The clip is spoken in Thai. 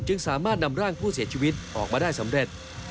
สามารถนำร่างผู้เสียชีวิตออกมาได้สำเร็จ